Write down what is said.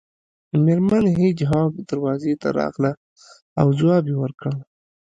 میرمن هیج هاګ دروازې ته راغله او ځواب یې ورکړ